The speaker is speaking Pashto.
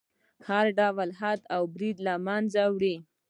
هر ډول حد او برید له منځه وړي.